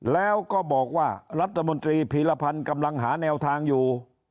แล้วก็บอกว่ารัฐมนตรีพีรพันธ์กำลังหาแนวทางอยู่